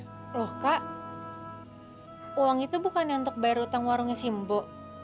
loh kak uang itu bukan yang untuk bayar utang warungnya si mbo